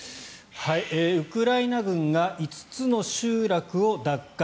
ウクライナ軍が５つの集落を奪還。